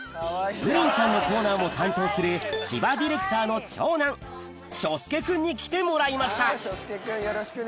プリンちゃんのコーナーも担当する千葉ディレクターの長男渚介くんに来てもらいました